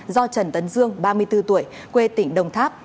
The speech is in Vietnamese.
do trần tấn dương ba mươi bốn tuổi quê tỉnh đồng tháp